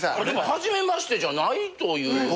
でも初めましてじゃないという。